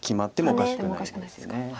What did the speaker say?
おかしくないですか。